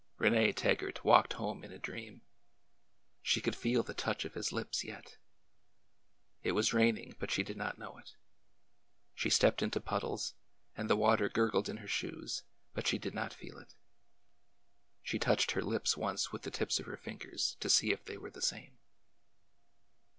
Rene Taggart walked home in a dream. She could feel the touch of his lips yet. It was raining, but she did not know it. She stepped into puddles, and the water gurgled in her shoes, but she did not feel it. She touched her lips once with the tips of her fingers to see if they were the same.